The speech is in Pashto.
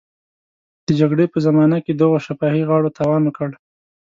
د جګړې په زمانه کې دغو شفاهي غاړو تاوان وکړ.